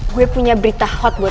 gue punya berita hot buat kalian